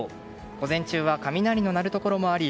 午前中は雷の鳴るところもあり